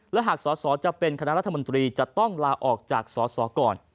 และหากสอสอจะเป็นคณะรัฐมนตรีจะต้องลาออกจากสสก่อน